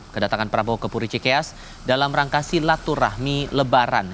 kedatangan prabowo ke puri cikias dalam rangkasi latur rahmi lebaran